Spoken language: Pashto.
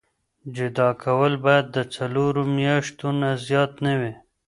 جدا کول باید د څلورو میاشتو نه زیات نه وي.